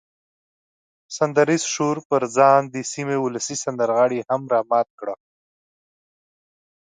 سندریز شور پر ځان د سیمې ولسي سندرغاړي هم را مات کړه.